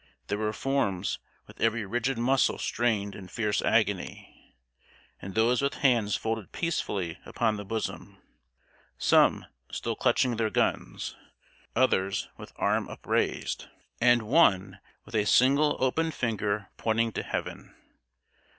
There were forms with every rigid muscle strained in fierce agony, and those with hands folded peacefully upon the bosom; some still clutching their guns, others with arm upraised, and one with a single open finger pointing to heaven.